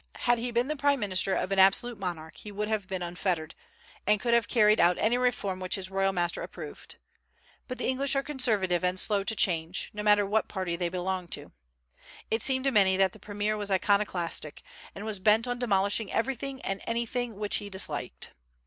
Had he been the prime minister of an absolute monarch he would have been unfettered, and could have carried out any reform which his royal master approved. But the English are conservative and slow to change, no matter what party they belong to. It seemed to many that the premier was iconoclastic, and was bent on demolishing anything and everything which he disliked.